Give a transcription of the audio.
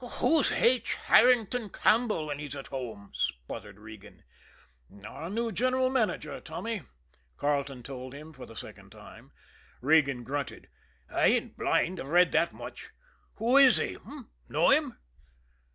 "Who's H. Herrington Campbell when he's at home?" spluttered Regan. "Our new general manager, Tommy," Carleton told him for the second time. Regan grunted. "I ain't blind! I've read that much. Who is he h'm? Know him?"